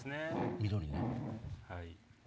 緑ね。